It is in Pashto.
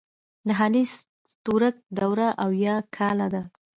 د هالی ستورک دوره اويا کاله ده.